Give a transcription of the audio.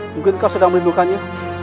mungkin kau sedang melindungkannya